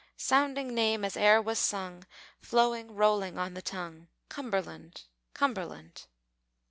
Sounding name as e'er was sung, Flowing, rolling on the tongue Cumberland! Cumberland!